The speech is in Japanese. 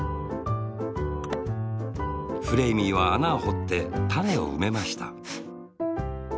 フレーミーはあなをほってたねをうめました。